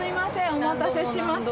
お待たせしました。